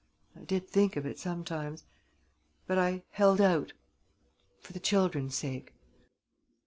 I did think of it sometimes, but I held out, for the children's sake